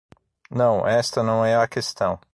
Não, esta não é a questão.